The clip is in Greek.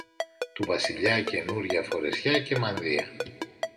του Βασιλιά καινούρια φορεσιά και μανδύα